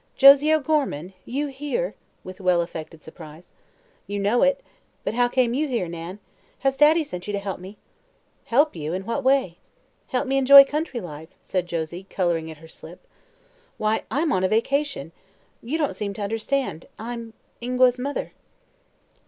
Josie O'Gorman? You here?" with well affected surprise. "You know it. But how came you here, Nan? Has Daddy sent you to help me?" "Help you! In what way?" "Help me enjoy country life," said Josie, coloring at her slip. "Why, I'm on a vacation. You don't seem to understand. I'm Ingua's mother."